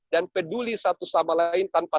dan peduli satu sama lain tanpa